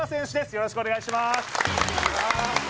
よろしくお願いします